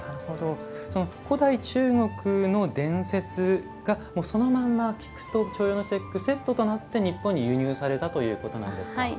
古代中国の伝説がそのまま、菊と重陽の節句セットになって日本に輸入されたということなんですか。